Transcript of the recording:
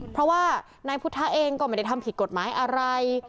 เพราะว่านายพุทธะเองก็ไม่ได้ทำผิดกฎหมายอะไร